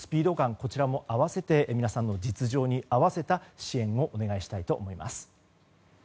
こちらも皆様の実情に合わせた支援をお願いしたいと思います。